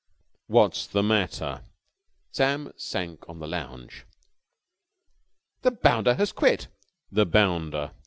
"What's the matter?" Sam sank on the lounge. "The bounder has quit!" "The bounder?